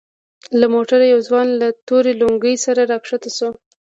له موټره يو ځوان له تورې لونگۍ سره راکښته سو.